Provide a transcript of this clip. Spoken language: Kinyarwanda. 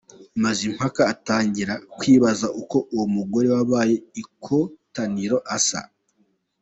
Mazimpaka atangira kwibaza uko uwo mugore wabaye ikotaniro asa.